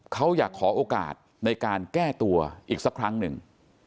เขาอยากขอโอกาสในการแก้ตัวอีกสักครั้งหนึ่ง